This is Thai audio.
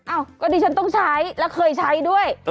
อ้าวก็ดิฉันต้องใช้แล้วเคยใช้ด้วย